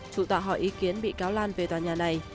chủ tọa hỏi ý kiến bị cáo lan về tòa nhà này